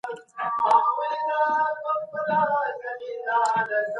غړي به د ځوانانو د استعدادونو د ودي لپاره کار وکړي.